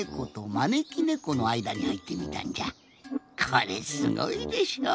これすごいでしょ。